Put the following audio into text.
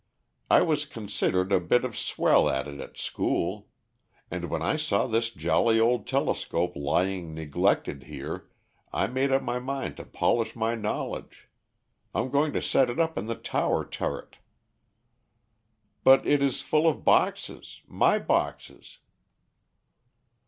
"I was considered a bit of swell at it at school. And when I saw this jolly old telescope lying neglected here, I made up my mind to polish my knowledge. I'm going to set it up in the tower turret." "But it is packed full of boxes my boxes."